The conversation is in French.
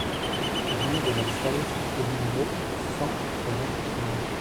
Avenue de la Salse au numéro cent quarante-cinq